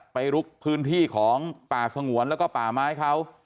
ลุกพื้นที่ของป่าสงวนแล้วก็ป่าไม้เขา